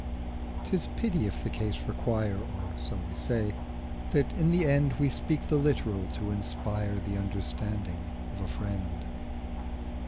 'Tis pity if the case require(Or so we say) that in the endWe speak the literal to inspireThe understanding of a friend.